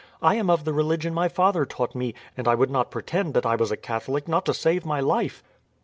"I am of the religion my father taught me, and I would not pretend that I was a Catholic, not to save my life."